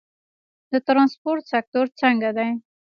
د ترانسپورت سکتور څنګه دی؟